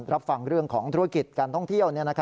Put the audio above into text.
รับฟังเรื่องของธุรกิจการท่องเที่ยว